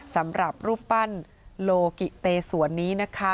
สำหรับรูปปั้นโลกิเตสวนนี้นะคะ